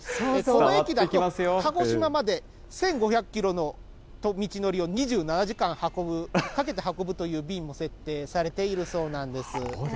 この駅だと、鹿児島まで１５００キロの道のりを２７時間かけて運ぶという便も設定されているそうなんです。